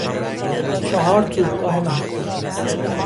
چهار توپگاه مخفی